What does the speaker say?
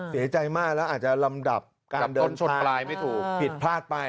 เสียใจมากแล้วอาจจะลำดับการเดินผิดพลาดไป